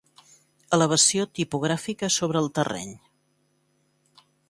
Elevació tipogràfica sobre el terreny.